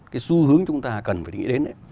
cái xu hướng chúng ta cần phải nghĩ đến